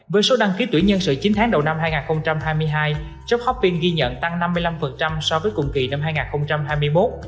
với số đăng ký tuyển nhân sự chín tháng đầu năm hai nghìn hai mươi hai shop hoppine ghi nhận tăng năm mươi năm so với cùng kỳ năm hai nghìn hai mươi một